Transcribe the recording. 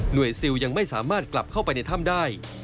ซิลยังไม่สามารถกลับเข้าไปในถ้ำได้